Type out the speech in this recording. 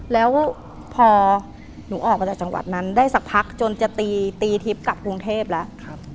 แล้วพอหนูออกมาจากจังหวัดนั้นได้สักพักจนจะตีทิพย์กลับกรุงเทพแล้ว